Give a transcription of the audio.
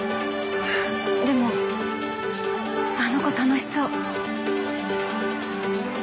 でもあの子楽しそう。